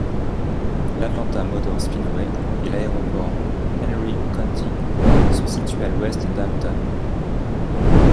L'Atlanta Motor Speedway et l'aéroport Henry County sont situés à à l'ouest d'Hampton.